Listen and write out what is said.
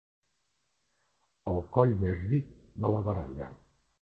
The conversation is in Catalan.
El coll més ric de la baralla.